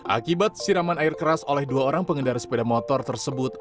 akibat siraman air keras oleh dua orang pengendara sepeda motor tersebut